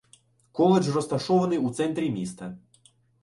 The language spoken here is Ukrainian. Коледж розташований у центрі міста.